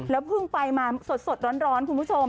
เพิ่งไปมาสดร้อนคุณผู้ชม